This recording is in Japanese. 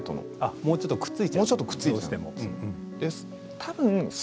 もうちょっとくっついていたんです。